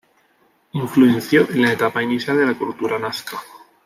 Influenció en la etapa inicial de la cultura nazca.